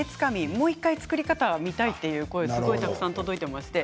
もう一度、作り方を見たいという声がたくさん届いています。